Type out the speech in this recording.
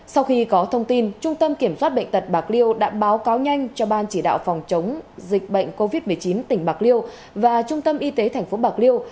sau khi có thông tin trung tâm kiểm soát bệnh tật bạc liêu đã báo cáo nhanh cho ban chỉ đạo phòng chống dịch bệnh covid một mươi chín tỉnh bạc liêu và trung tâm y tế tp bạc liêu